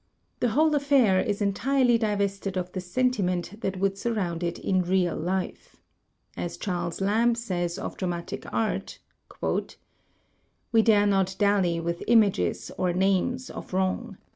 The whole affair is entirely divested of the sentiment that would sur round it in real life. As Charles Lamb says of dramatic art: "We dare not dally with images, or names, of wrong.